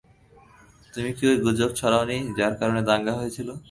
তুমি কি ওই গুজব ছড়াওনি যার কারণে দাঙ্গা হয়েছিল?